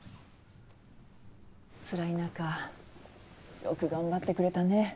つらい中よく頑張ってくれたね。